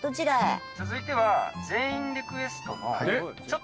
続いては。